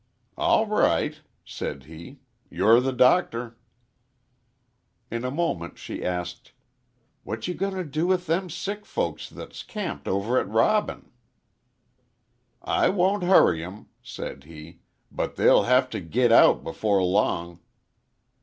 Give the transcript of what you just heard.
"All right," said he, "you're the doctor." In a moment she asked, "What you goin' t' do with them sick folks that's camped over at Robin?" "I won't hurry 'em," said he; "but they'll have t' git out before long."